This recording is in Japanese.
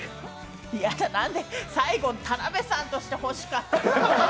嫌だ、なんで、最後、田辺さんとして欲しかった。